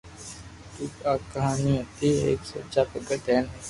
تو آ ڪہاني ھتي ايڪ سچا ڀگت ھين ايڪ